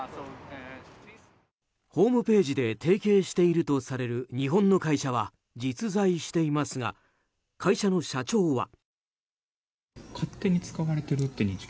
ホームページで提携しているとされる日本の会社は実在していますが会社の社長は。